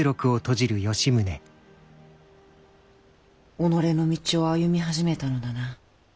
己の道を歩み始めたのだな。